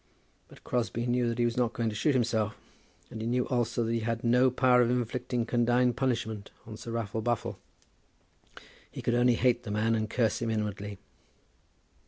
But Crosbie knew that he was not going to shoot himself, and he knew also that he had no power of inflicting condign punishment on Sir Raffle Buffle. He could only hate the man, and curse him inwardly.